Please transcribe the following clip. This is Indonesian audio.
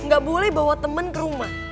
gak boleh bawa teman ke rumah